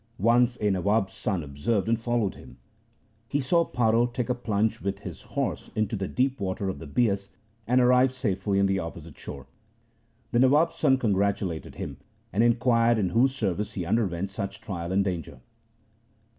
Once a Nawab's son observed and followed him. He saw Paro take a plunge with his horse into the deep water of the Bias, and arrive safely on the opposite shore. The Nawab's son congratulated him, and inquired in whose service he underwent such trial and danger.